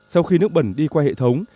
sau khi nước bẩn đi qua hệ thống